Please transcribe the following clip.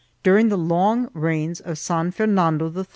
During the long reigns of San Fernando III 1 Alex.